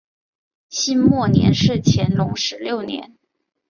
辛未年是乾隆十六年。